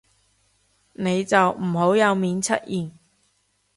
你就唔好有面出現